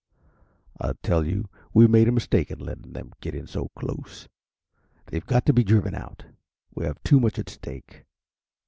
I tell you we made a mistake in letting them get in so close. They've got to be driven out. We have too much at stake.